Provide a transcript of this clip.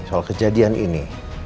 soal kejadian ini